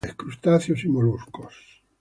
Come vegetales, crustáceos y moluscos.